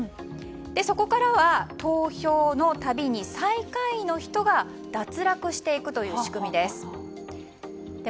そこからは、投票の度に最下位の人が脱落していくという仕組みです。